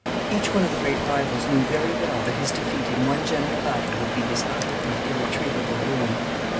Each one of the great rivals knew very well that his defeat in one general battle would be his utter and irretrievable ruin.